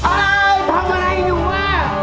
เอ้าทำอะไรอยู่ว่ะ